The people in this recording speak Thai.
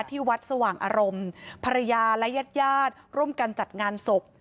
ที่วัดสว่างอารมณ์ภรรยาและญาติญาติร่วมกันจัดงานศพ